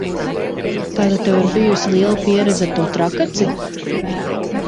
Tātad tev ir bijusi liela pieredze ar to, Trakaci?